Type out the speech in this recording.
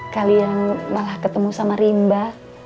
kalian malah ketemu sama rimba